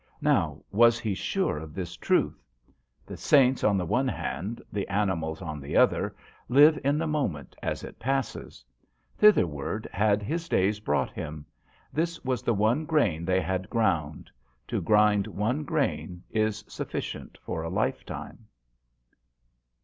Now, was he sure of this truth ? 148 JOHN SHERMAN. the saints on the one hand, the animals on the other, live in the moment as it passes. Thither ward had his days brought him. This was the one grain they had ground. To grind one grain is sufficient for a lifetime.